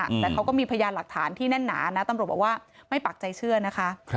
แต่เขาก็มีพยานหลักฐานที่แน่นหนานะตำรวจบอกว่าไม่ปักใจเชื่อนะคะ